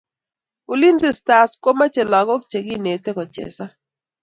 Ulinzi stars komache lakok che kinete kochesan